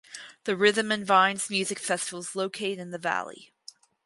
The Rhythm and Vines music festival is located in the valley.